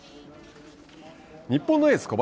日本のエース小林。